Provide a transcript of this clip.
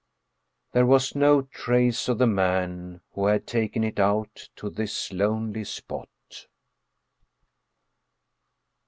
There was no trace of the man who had taken it out to this lonely spot.